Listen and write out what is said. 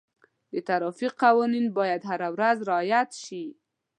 د ټرافیک قوانین باید هره ورځ رعایت شي.